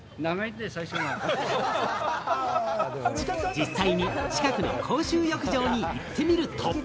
実際に近くの公衆浴場へ行ってみると。